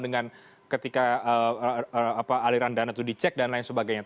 dengan ketika aliran dana itu dicek dan lain sebagainya